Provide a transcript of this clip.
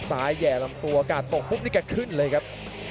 แห่ลำตัวกาดตกปุ๊บนี่แกขึ้นเลยครับ